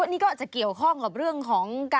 อ๋อนี่ก็อาจเกี่ยวข้องกับเรื่องของ